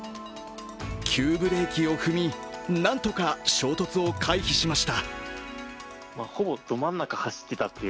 急ブレーキを踏み、なんとか衝突を回避しました。